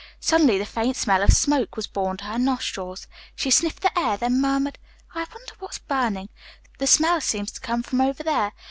Suddenly the faint smell of smoke was borne to her nostrils. She sniffed the air, then murmured, "I wonder what's burning. The smell seems to come from over there.